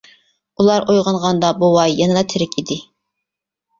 ئۇلار ئويغانغاندا بوۋاي يەنىلا تىرىك ئىدى.